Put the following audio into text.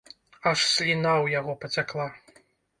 Аж сліна ў яго пацякла.